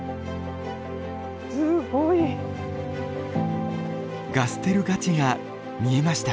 すごい。ガステルガチェが見えました。